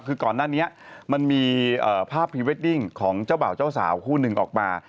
คือก่อนหน้านี้มันมีภาพพรีเวดดิ้งของเจ้าบ่าวเจ้าสาวคู่หนึ่งออกมา